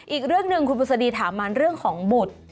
อีกเรื่องหนึ่งคุณบุษฎีถามมันเรื่องของบุตร